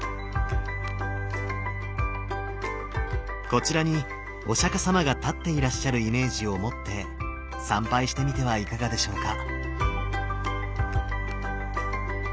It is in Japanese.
こちらにお釈様が立っていらっしゃるイメージを持って参拝してみてはいかがでしょうか。